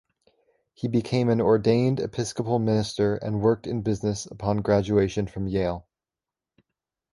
He became an ordained Episcopal minister and worked in business upon graduation from Yale.